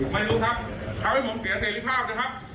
ไม่ได้ครับไม่ได้ครับไม่ได้ครับ